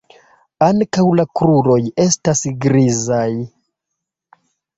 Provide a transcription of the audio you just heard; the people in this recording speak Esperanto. Ankaŭ la kruroj estas grizaj.